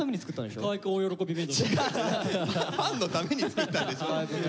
ファンのために作ったんでしょ。